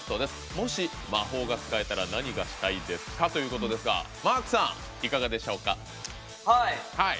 もし魔法が使えたら何がしたいですか？ということですがマークさん、いかがでしょうか？